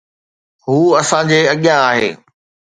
هو اسان جي اڳيان آهي.